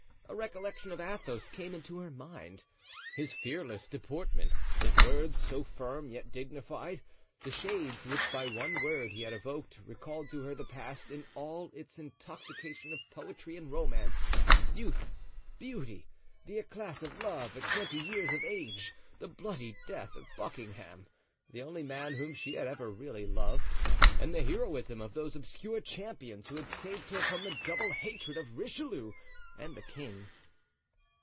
A recollection of Athos came into her mind. His fearless deportment, his words, so firm, yet dignified, the shades which by one word he had evoked, recalled to her the past in all its intoxication of poetry and romance, youth, beauty, the eclat of love at twenty years of age, the bloody death of Buckingham, the only man whom she had ever really loved, and the heroism of those obscure champions who had saved her from the double hatred of Richelieu and the king.